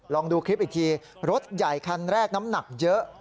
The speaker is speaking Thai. ลองดูคลิปอีกทีรถใหญ่คันแรกน้ำหนักเยอะ